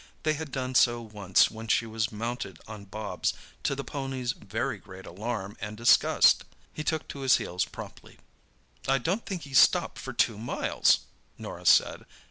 They had done so once when she was mounted on Bobs, to the pony's very great alarm and disgust. He took to his heels promptly. "I don't think he stopped for two miles!" Norah said.